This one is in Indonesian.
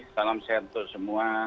salam sehat untuk semua